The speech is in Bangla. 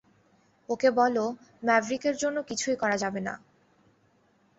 ওকে বলো ম্যাভরিকের জন্য কিছুই করা যাবে না।